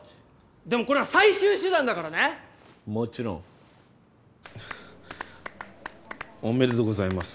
でもこれは最後手段だからねもちろんおめでとうございます。